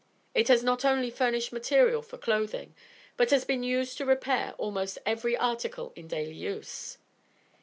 It has not only furnished material for clothing, but has been used to repair almost every article in daily use.